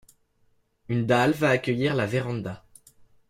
une dalle va accueillir la véranda